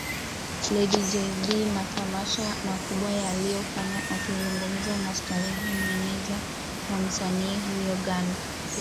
Lady Jay Dee Matamasha makubwa aliyofanya Akizungumza na Starehe meneja wa msanii huyo Gadna